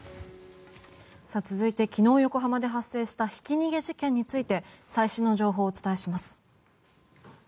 続いて昨日、横浜で発生したひき逃げ事件について最新の情報をお伝えします。